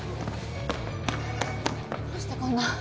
どうしてこんな。